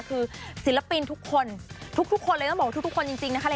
คือศิลปินทุกคนทุกคนเลยต้องบอกว่าทุกคนจริงนะคะ